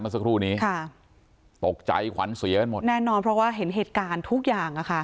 สักครู่นี้ค่ะตกใจขวัญเสียกันหมดแน่นอนเพราะว่าเห็นเหตุการณ์ทุกอย่างอะค่ะ